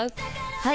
はい！